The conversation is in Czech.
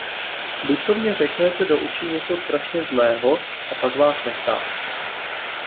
Buďto mně řekněte do očí něco strašně zlého, a pak vás nechám.